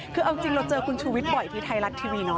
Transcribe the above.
คือเอาจริงเราเจอคุณชูวิทย์บ่อยที่ไทยรัฐทีวีเนาะ